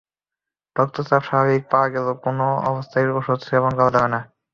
রক্তচাপ স্বাভাবিক পাওয়া গেলেও কোনো অবস্থাতেই ওষুধ সেবন বন্ধ করা যাবে না।